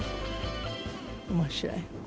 面白い。